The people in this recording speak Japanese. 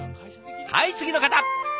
はい次の方。